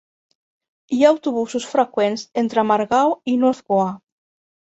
Hi ha autobusos freqüents entre Margao i North Goa.